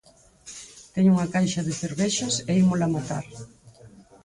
Teño unha caixa de cervexas e ímola matar